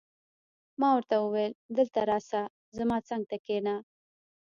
ما ورته وویل: دلته راشه، زما څنګ ته کښېنه.